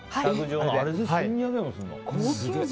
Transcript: あれで１２００円するんだ。